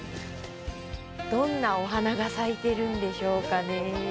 どんなお花が咲いてるんでしょうかね。